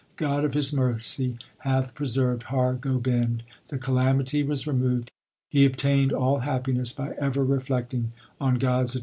God of His mercy hath preserved Har Gobind. The calamity was removed ; he obtained all happiness by ever reflecting on God s attributes.